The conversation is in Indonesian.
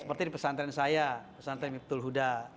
seperti di pesantren saya pesantren miftul huda